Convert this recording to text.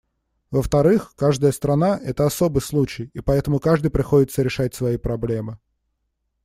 Во-вторых, каждая страна — это особый случай, и поэтому каждой приходится решать свои проблемы.